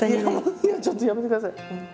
ちょっとやめてください本当。